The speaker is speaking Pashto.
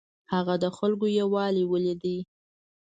هغه د خلکو یووالی ولید.